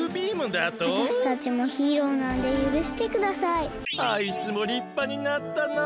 あいつもりっぱになったなあ。